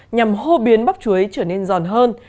nhằm hô biến bắp chuối trở nên giòn hơn